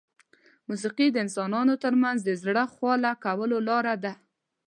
موسیقي د انسانانو ترمنځ د زړه خواله کولو لاره ده.